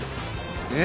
え！